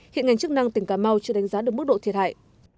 hiện ngành chức năng tỉnh cà mau chưa đánh giá được mức độ thiệt hại